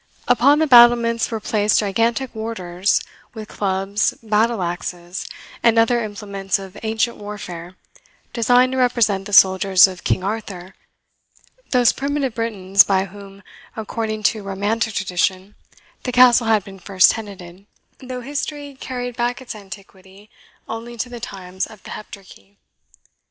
Upon the battlements were placed gigantic warders, with clubs, battle axes, and other implements of ancient warfare, designed to represent the soldiers of King Arthur; those primitive Britons, by whom, according to romantic tradition, the Castle had been first tenanted, though history carried back its antiquity only to the times of the Heptarchy.